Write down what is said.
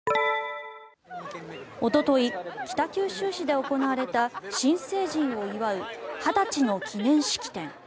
おととい北九州市で行われた新成人を祝う二十歳の記念式典。